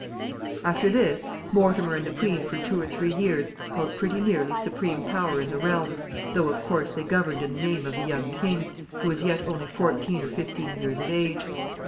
] After this, Mortimer and the queen for two or three years held pretty nearly supreme power in the realm, though, of course, they governed in the name of the young king, who was yet only fourteen or fifteen years of age.